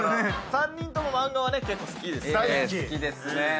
３人ともマンガは結構好きですよね。